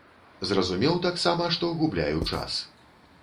Зразумеў таксама, што губляю час.